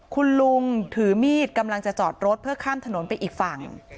คุณลุงถือมีดกำลังจะจอดรถเพื่อข้ามถนนไปอีกฝั่ง